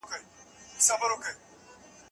په قرضونو او صدقاتو مهر تاديه کړي،